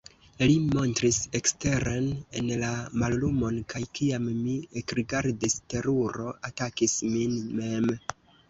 Li montris eksteren en la mallumon, kaj kiam mi ekrigardis, teruro atakis min mem.